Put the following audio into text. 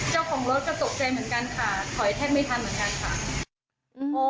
เจ้าของรถก็ตกใจเหมือนกันค่ะ